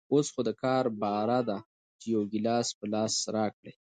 اوس خو دکار بار ده چې يو ګيلاس په لاس راکړي.